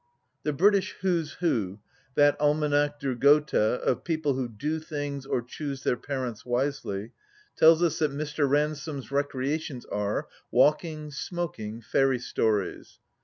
iii The British Who's Who — 'that Almanach de Gotha of people who do things or choose their parents wisely — tells us that Mr. Ransome's re creations are "walking, smoking, fairy stories."